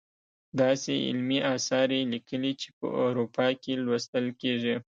داسې علمي اثار یې لیکلي چې په اروپا کې لوستل کیږي.